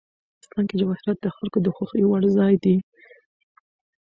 افغانستان کې جواهرات د خلکو د خوښې وړ ځای دی.